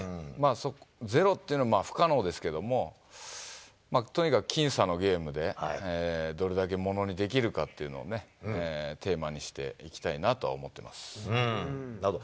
ゼロってのは不可能ですけれども、とにかく僅差のゲームで、どれだけものにできるかっていうのをね、テーマにしていきたいななるほど。